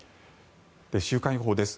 週間予報です。